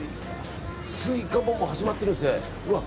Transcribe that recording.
スイカももう始まってるんですね。